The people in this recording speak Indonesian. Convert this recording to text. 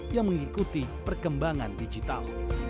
yang mengikuti perkembangan digital